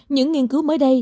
những nghiên cứu mới đây